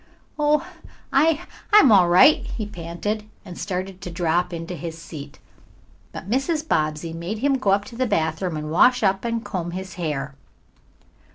"Oh, I I'm all right," he panted, and started to drop into his seat, but Mrs. Bobbsey made him go up to the bathroom and wash up and comb his hair.